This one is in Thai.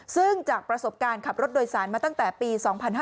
ซึ่งจากประสบการณ์ขับรถโดยสารมาตั้งแต่ปี๒๕๕๙